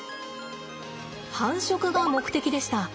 繁殖が目的でした。